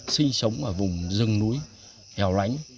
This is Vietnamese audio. sinh sống ở vùng rừng núi hèo lãnh